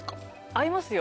合いますよ